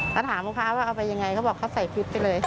ก็ถามลูกค้าว่าเอาไปยังไงเขาบอกเขาใส่ชุดไปเลยค่ะ